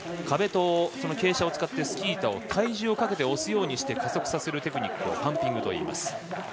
壁と傾斜を使ってスキー板を体重をかけて押すようにして加速させるテクニックをパンピングといいます。